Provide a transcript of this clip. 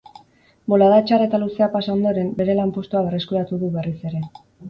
Bolada txar eta luzea pasa ondoren, bere lanpostua berreskuratu du berriz ere.